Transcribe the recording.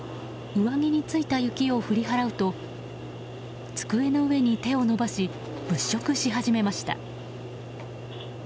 上着についた雪を振り払うと机の上に手を伸ばし物色し始めました。